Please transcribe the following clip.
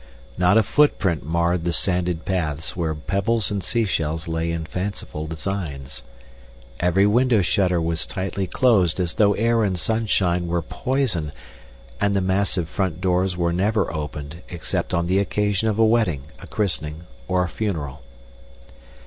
Not a footprint marred the sanded paths where pebbles and seashells lay in fanciful designs. Every window shutter was tightly closed as though air and sunshine were poison, and the massive front doors were never opened except on the occasion of a wedding, a christening, or a funeral.